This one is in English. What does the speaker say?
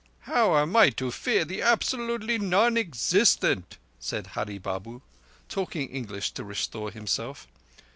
"How am I to fear the absolutely non existent?" said Hurree Babu, talking English to reassure himself.